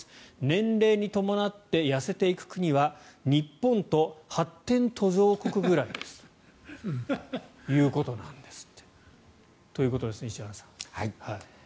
年齢に伴って痩せていく国は日本と発展途上国くらいですということなんですって。ということですね、市原さん。